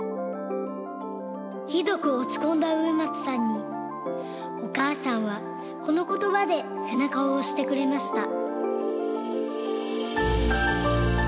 ひどくおちこんだ植松さんにおかあさんはこのことばでせなかをおしてくれました。